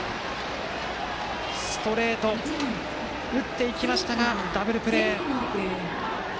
ストレートを打っていきましたがダブルプレー。